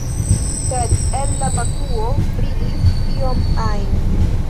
Sed, el la vakuo brilis ion alian.